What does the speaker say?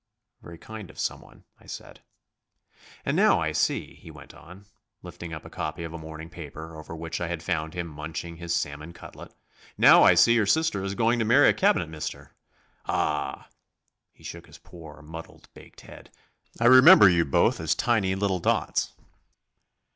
"Very kind of someone," I said. "And now I see," he went on, lifting up a copy of a morning paper, over which I had found him munching his salmon cutlet, "now I see your sister is going to marry a cabinet minister. Ah!" he shook his poor, muddled, baked head, "I remember you both as tiny little dots."